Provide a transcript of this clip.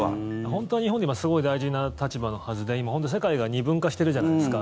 本当は日本ってすごい大事な立場のはずで今、世界が二分化してるじゃないですか。